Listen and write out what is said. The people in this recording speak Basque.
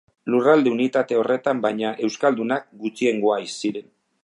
Lurralde unitate horretan, baina, euskaldunak gutxiengoa ziren.